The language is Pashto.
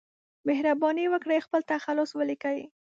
مهرباني وکړئ خپل تخلص ولیکئ